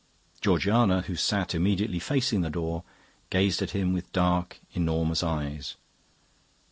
Georgiana, who sat immediately facing the door, gazed at him with dark, enormous eyes.